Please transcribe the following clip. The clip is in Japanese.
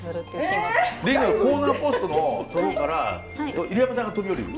リングのコーナーポストのとこから入山さんが飛び降りる？